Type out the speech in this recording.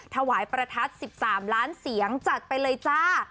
ถวายประทัด๑๓ล้านเสียงจัดไปเลยจ้า